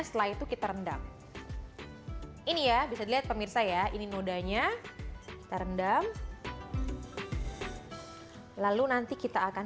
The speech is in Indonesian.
setelah itu kita rendam ini ya bisa dilihat pemirsa ya ini nodanya kita rendam lalu nanti kita akan